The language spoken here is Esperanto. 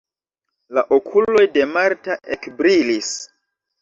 La okuloj de Marta ekbrilis.